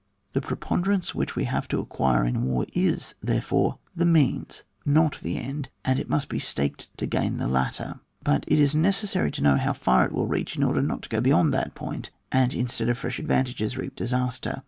The preponderance which we have or acquire in war is, therefore, the means, not the end, and it must be staked to gain the latter. But it is necessary to know how far it will reach, in order not to go beyond that point, and instead of fresh advantages, to reap disaster.